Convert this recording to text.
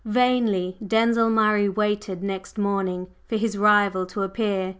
Vainly Denzil Murray waited next morning for his rival to appear.